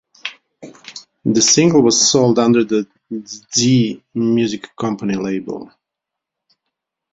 The single was sold under the Zee Music Company label.